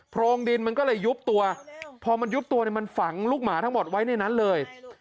โรงดินมันก็เลยยุบตัวพอมันยุบตัวเนี่ยมันฝังลูกหมาทั้งหมดไว้ในนั้นเลย